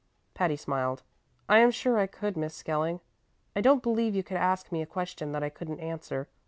Patty smiled. "I am sure I could, Miss Skelling. I don't believe you could ask me a question that I couldn't answer.